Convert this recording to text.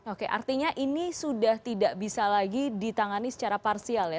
oke artinya ini sudah tidak bisa lagi ditangani secara parsial ya